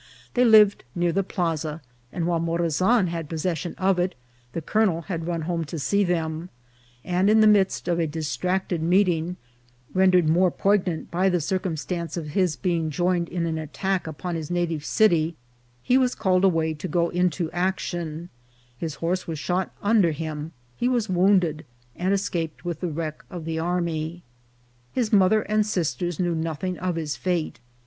They lived near the plaza, and while Morazan had possession of it, the colonel had run home to see them ; and in the GENERAL MORAZA If. 89 midst of a distracted meeting, rendered more poignant by the circumstance of his being joined in an attack upon his native city, he was called away to go into ac tion ; his horse was shot under him, he was wounded, and escaped with the wreck of the army. His mother and sisters knew nothing of his fate.